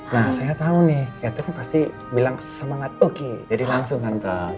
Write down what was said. nah saya tahu nih teaternya pasti bilang semangat oke jadi langsung hantam